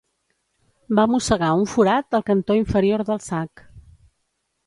Va mossegar un forat al cantó inferior del sac.